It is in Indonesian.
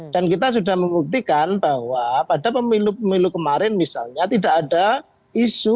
dan kita sudah membuktikan bahwa pada pemilu pemilu kemarin misalnya tidak ada isu